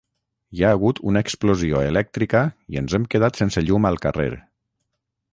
Hi ha hagut una explosió elèctrica i ens hem quedat sense llum al carrer